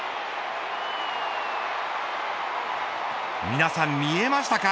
皆さん見えましたか。